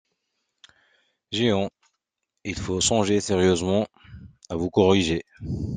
Jehan, il faut songer sérieusement à vous corriger.